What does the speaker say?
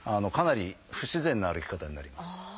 かなり不自然な歩き方になります。